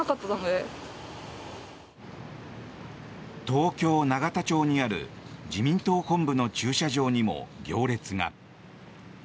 東京・永田町にある自民党本部の駐車場にも行列が。